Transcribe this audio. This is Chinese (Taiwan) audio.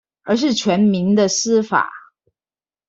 而是全民的司法